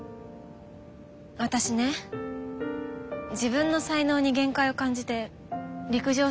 私ね自分の才能に限界を感じて陸上選手をやめたの。